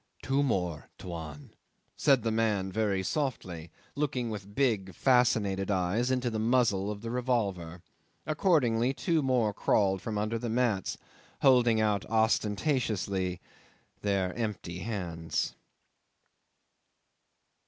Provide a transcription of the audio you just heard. "Two more, Tuan," said the man very softly, looking with big fascinated eyes into the muzzle of the revolver. Accordingly two more crawled from under the mats, holding out ostentatiously their empty hands.